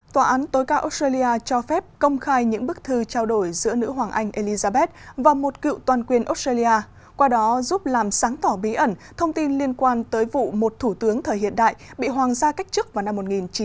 tòa án tối cao australia cho phép công khai những bức thư trao đổi giữa nữ hoàng anh elizabeth và một cựu toàn quyền australia qua đó giúp làm sáng tỏ bí ẩn thông tin liên quan tới vụ một thủ tướng thời hiện đại bị hoàng gia cách chức vào năm một nghìn chín trăm bảy mươi